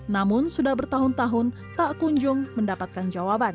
namun sudah bertahun tahun tak kunjung mendapatkan jawaban